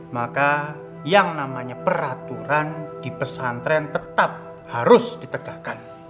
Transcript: maka yang namanya peraturan di pesantren tetap harus ditegakkan